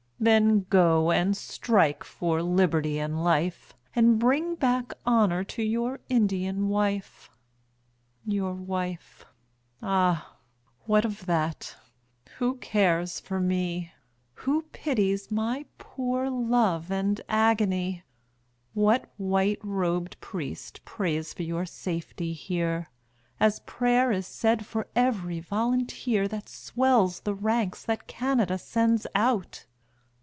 Then go and strike for liberty and life, And bring back honour to your Indian wife. Your wife? Ah, what of that, who cares for me? Who pities my poor love and agony? What white robed priest prays for your safety here, As prayer is said for every volunteer That swells the ranks that Canada sends out?